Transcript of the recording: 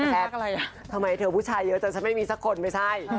แพทย์ทำไมนายผู้ชายเยอะจนจะไม่มีสักคนไม๊ใช่